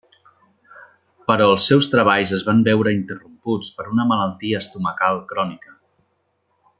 Però els seus treballs es van veure interromputs per una malaltia estomacal crònica.